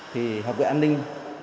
thì học viện an ninh